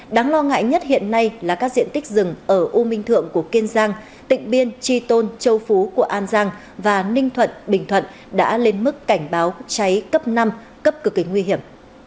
đáng lo ngại nhất hiện nay là các diện tích rừng ở u minh thượng của kiên giang tỉnh biên tri tôn châu phú của an giang và ninh thuận bình thuận đã lên mức cảnh báo cháy cấp năm cấp cực kỳ nguy hiểm